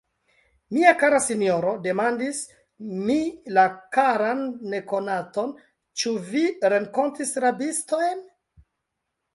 Mia kara sinjoro, demandis mi la karan nekonaton, ĉu vi renkontis rabistojn?